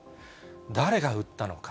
誰が撃ったのか。